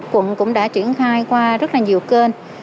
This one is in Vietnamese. quận cũng đã triển khai qua rất là nhiều kênh